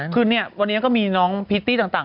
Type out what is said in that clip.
คือเนี่ยวันนี้ก็มีน้องพิตตี้ต่าง